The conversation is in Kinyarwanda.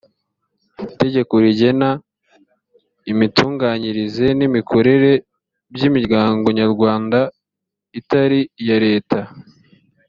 itegeko rigena imitunganyirize n imikorere by imiryango nyarwanda itari iya leta